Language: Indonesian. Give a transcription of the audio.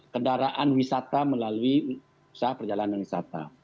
kendaraan wisata melalui usaha perjalanan wisata